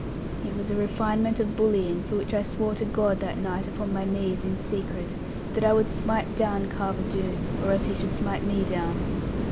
It was a refinement of bullying, for which I swore to God that night, upon my knees, in secret, that I would smite down Carver Doone or else he should smite me down.